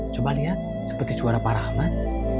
coba lihat seperti suara para aman